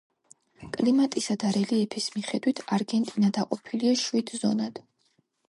კლიმატისა და რელიეფის მიხედვით, არგენტინა დაყოფილია შვიდ ზონად.